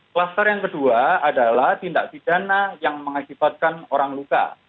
kluster yang kedua adalah tindak pidana yang mengakibatkan orang luka